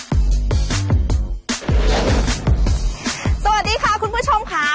คุณผู้ชมค่ะสวัสดีค่ะคุณผู้ชมฮ้า